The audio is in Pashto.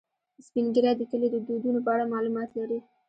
سپین ږیری د کلي د دودونو په اړه معلومات لري